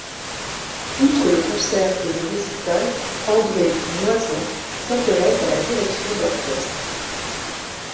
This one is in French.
Outre le concert et le récital, André Moisan s'intéresse à la direction d'orchestre.